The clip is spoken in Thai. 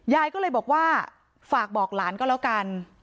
ยายก็เลยบอกว่าฝากบอกหลานก็แล้วกัน